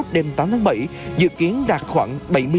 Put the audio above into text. đêm tám tháng bảy dự kiến đạt khoảng bảy mươi